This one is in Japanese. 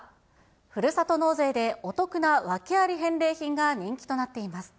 ふるさと納税でお得な訳あり返礼品が人気となっています。